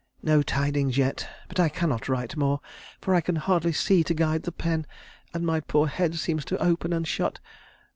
No tidings yet, but I cannot write more, for I can hardly see to guide the pen, and my poor head seems to open and shut.